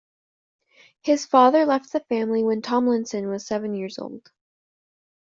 His father left the family when Tomlinson was seven years old.